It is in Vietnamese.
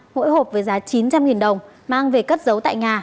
mỗi hộp với giá chín trăm linh đồng mang về cất giấu tại nhà